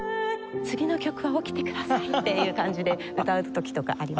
次の曲は起きてください！っていう感じで歌う時とかあります。